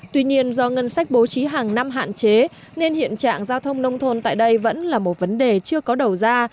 tuy nhiên do ngân sách bố trí hàng năm hạn chế nên hiện trạng giao thông nông thôn tại đây vẫn là một vấn đề chưa có đầu ra